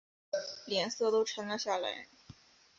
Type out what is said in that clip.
脸色都沉了下来